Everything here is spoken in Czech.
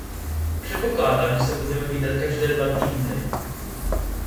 Předpokládám, že se budeme vídat každé dva týdny.